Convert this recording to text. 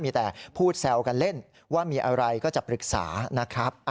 มีแต่พูดแซวกันเล่นว่ามีอะไรก็จะปรึกษานะครับ